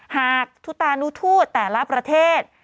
หากทุตานุทูตแต่ละประเทศ